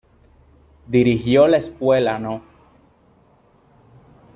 Dirigió la escuela no.